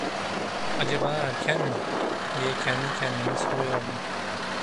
Acaba erken mi, diye kendi kendime soruyordum.